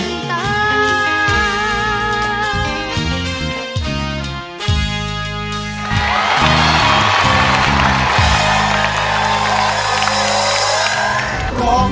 ทั้งแต่เธอรักเธอสุดสุดสุด